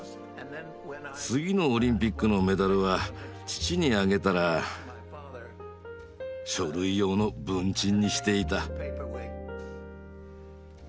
次のオリンピックのメダルは父にあげたら書類用の文鎮にしていた。